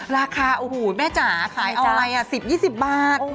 ราคาโอ้โหแม่จ๋าขายเอาอะไร๑๐๒๐บาท